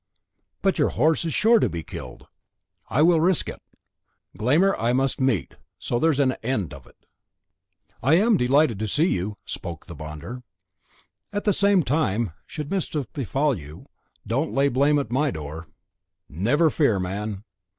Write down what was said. "But your horse is sure to be killed." "I will risk it. Glámr I must meet, so there's an end of it." "I am delighted to see you," spoke the bonder; "at the same time, should mischief befall you, don't lay the blame at my door." "Never fear, man."